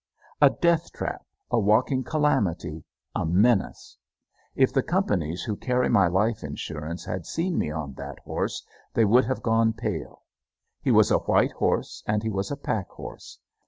A death trap, a walking calamity, a menace. If the companies who carry my life insurance had seen me on that horse, they would have gone pale. He was a white horse, and he was a pack horse.